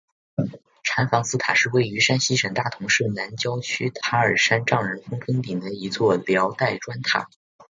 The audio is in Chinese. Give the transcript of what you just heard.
禅房寺塔是位于山西省大同市南郊区塔儿山丈人峰峰顶的一座辽代砖塔。